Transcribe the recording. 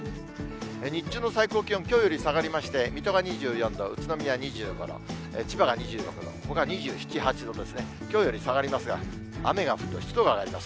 日中の最高気温、きょうより下がりまして、水戸が２４度、宇都宮２５度、千葉が２６度、ほかが２７、８度ということで、きょうより下がりますが、雨が降ると、湿度が上がります。